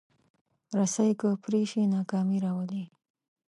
رسۍ که پرې شي، ناکامي راولي.